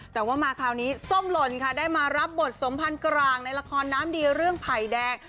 แต่ว่ามาคราวนี้ส้มหล่นค่ะได้มารับบทสมพันธ์กลางในละครน้ำดีเรื่องไผ่แดง